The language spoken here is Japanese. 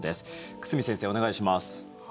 久住先生、お願いします。